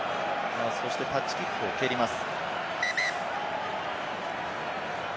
そしてタッチキックを蹴ります。